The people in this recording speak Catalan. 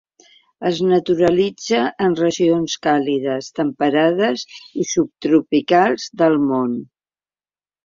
Es naturalitza en regions càlides temperades i subtropicals del món.